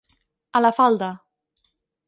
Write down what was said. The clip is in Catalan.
A la falda.